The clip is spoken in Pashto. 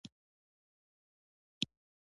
فیصله مو په دې وکړه.